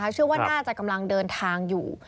เชื่อว่าน่าจะกำลังเดินทางอยู่